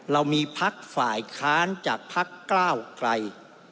เรามีพักฝ่ายค้านจากพักก้าวไกล